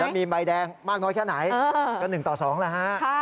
มีใบแดงมากน้อยแค่ไหนก็๑ต่อ๒แหละฮะ